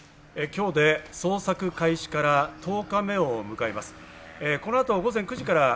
今日で捜索開始から１０日目を迎えます。